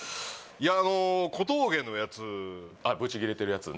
いやあの小峠のやつあっブチギレてるやつ？